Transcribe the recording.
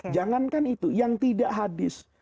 jangankan itu yang tidak hadis